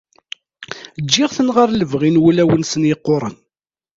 Ǧǧiɣ-ten ɣer lebɣi n wulawen-nsen yeqquren.